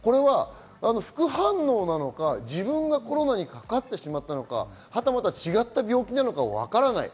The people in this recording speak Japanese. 副反応なのか、自分がコロナにかかってしまったのか、違った病気なのか分からない。